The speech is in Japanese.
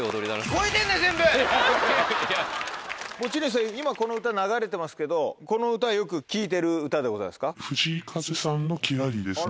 持ち主さん今この歌流れてますけどこの歌よく聴いてる歌でございますか？